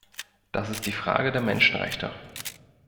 Das ist die Frage der Menschenrechte.